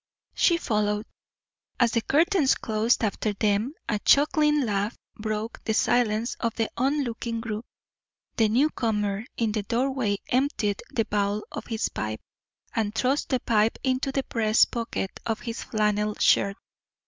She followed. As the curtains closed after them a chuckling laugh broke the silence of the on looking group. The newcomer in the doorway emptied the bowl of his pipe, and thrust the pipe into the breast pocket of his flannel shirt.